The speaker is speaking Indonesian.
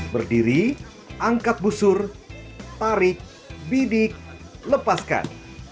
berdiri angkat busur tarik bidik lepaskan